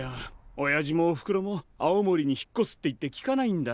おやじもおふくろも青森に引っ越すって言ってきかないんだ。